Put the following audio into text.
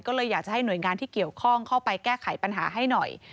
ก็เลยอยากจะให้หน่วยงานที่เกี่ยวข้องเข้าไปแก้ไขปัญหาให้หน่อย